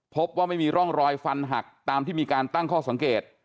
พบว่าไม่มีร่องรอยฟันหักตามที่มีการตั้งข้อสังเกต